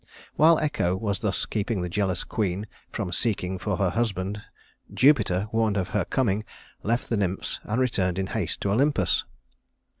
While Echo was thus keeping the jealous queen from seeking for her husband, Jupiter warned of her coming left the nymphs and returned in haste to Olympus.